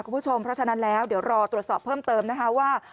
เพราะฉะนั้นเดี๋ยวรอตรวจสอบเพิ่มเติมว่า